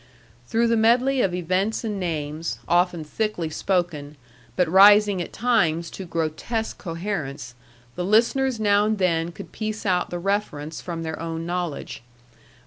Through the medley of events and names, often thickly spoken, but rising at times to grotesque coherence, the listeners now and then could piece out the reference from their own knowledge.